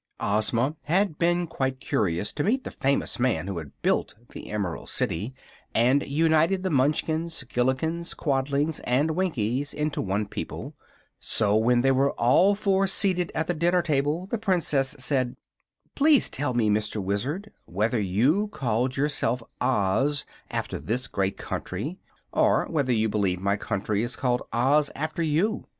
Ozma had been quite curious to meet the famous man who had built the Emerald City and united the Munchkins, Gillikins, Quadlings and Winkies into one people; so when they were all four seated at the dinner table the Princess said: "Please tell me, Mr. Wizard, whether you called yourself Oz after this great country, or whether you believe my country is called Oz after you.